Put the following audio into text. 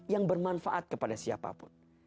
yang bermanfaat kepada siapapun